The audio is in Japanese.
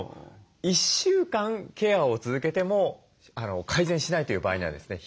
１週間ケアを続けても改善しないという場合にはですね